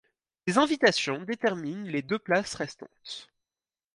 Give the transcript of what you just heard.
Des invitations déterminent les deux places restantes.